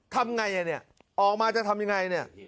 ทำไงเนี่ยออกมาจะทำยังไงเนี่ย